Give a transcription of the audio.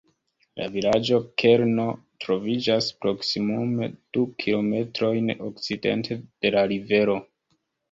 La vilaĝo-kerno troviĝas proksimume du kilometrojn okcidente de la rivero.